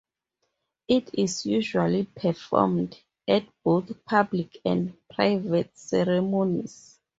It is usually performed at both public and private ceremonies.